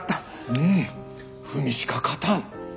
うん文しか勝たん。